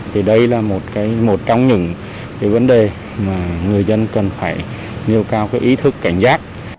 thì đây là một trong những vấn đề mà người dân cần phải nêu cao ý thức cảnh giác